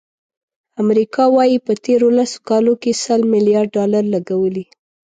امریکا وایي، په تېرو لسو کالو کې سل ملیارد ډالر لګولي.